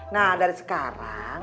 nah dari sekarang